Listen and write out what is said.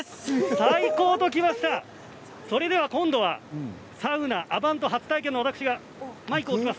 最高ときました、今度はサウナ、アバント初体験の私はマイクを置きます。